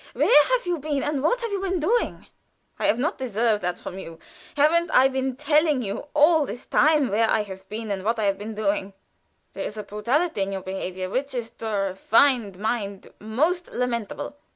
Where have you been, and what have you been doing?" "I have not deserved that from you. Haven't I been telling you all this time where I have been and what I have been doing? There is a brutality in your behavior which is to a refined mind most lamentable."